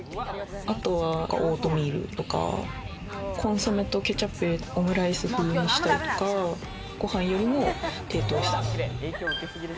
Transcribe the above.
あとはオートミールとか、コンソメとケチャップ入れて、オムライス風にしたりとか、ご飯よりも低糖質。